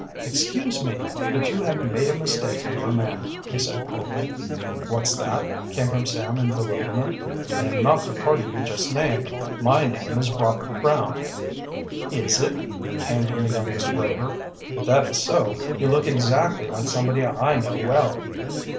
"Excuse me, but you have made a mistake in your man," he said coldly. "What's that?" came from Sam in bewilderment. "I am not the party you just named. My name is Robert Brown." "It is?" came from the youngest Rover. "If that is so, you look exactly like somebody I know well."